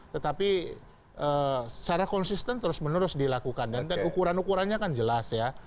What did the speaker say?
tetapi secara konsisten terus menerus dilakukan dan ukuran ukurannya kan jelas ya